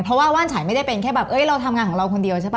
เพราะว่าว่านฉัยไม่ได้เป็นแค่แบบเราทำงานของเราคนเดียวใช่ป